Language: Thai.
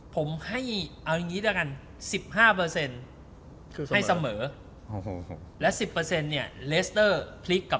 ผมให้เอาอย่างนี้ด้วยกัน๑๕ให้เสมอและ๑๐เนี่ยเลสเตอร์พลิกกับ